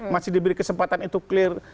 masih diberi kesempatan itu clear